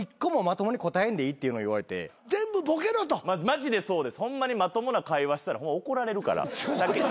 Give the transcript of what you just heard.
マジでそうですホンマにまともな会話したら怒られるから。